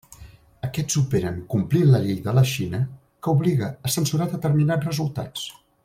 Aquests operen complint la llei de la Xina que obliga a censurar determinats resultats.